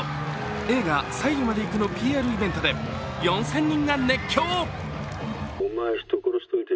映画「最後まで行く」のＰＲイベントで４０００人が熱狂。